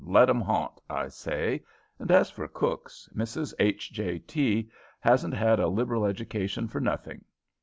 "'Let 'em haunt,' I say; and as for cooks, Mrs. H.J.T. hasn't had a liberal education for nothing.